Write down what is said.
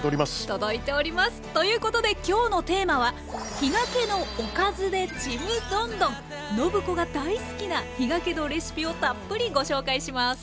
届いております！ということで今日のテーマは暢子が大好きな比嘉家のレシピをたっぷりご紹介します。